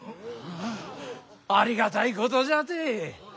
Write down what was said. ありがたいことじゃて。